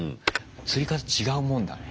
釣り方違うもんだね。